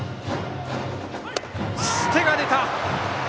手が出た！